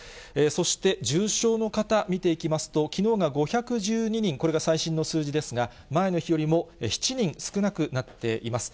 そして重症の方、見ていきますと、きのうが５１２人、これが最新の数字ですが、前の日よりも７人少なくなっています。